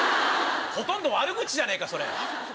ほとんど悪口じゃねえか！